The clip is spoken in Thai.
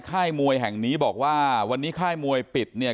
ค่ายมวยแห่งนี้บอกว่าวันนี้ค่ายมวยปิดเนี่ย